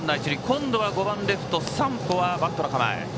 今度は５番レフト、山保はバントの構え。